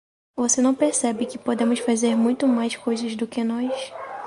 Você não percebe que podemos fazer muito mais coisas do que nós?